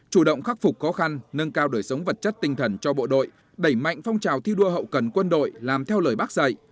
chủ động khắc phục khó khăn nâng cao đời sống vật chất tinh thần cho bộ đội đẩy mạnh phong trào thi đua hậu cần quân đội làm theo lời bác dạy